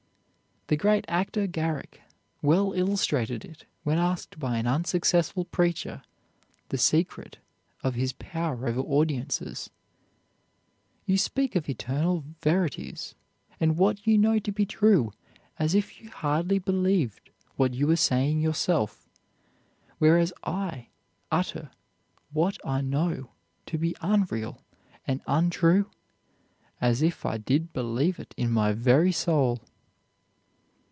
The great actor Garrick well illustrated it when asked by an unsuccessful preacher the secret of his power over audiences: "You speak of eternal verities and what you know to be true as if you hardly believed what you were saying yourself, whereas I utter what I know to be unreal and untrue as if I did believe it in my very soul."